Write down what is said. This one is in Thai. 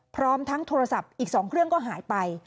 พร้อมทั้งโทรศัพท์อีก๒เครื่องก็หายไป